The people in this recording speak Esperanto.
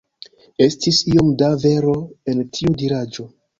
Estis iom da vero en tiu diraĵo.